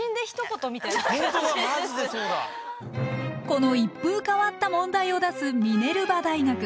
この一風変わった問題を出すミネルバ大学。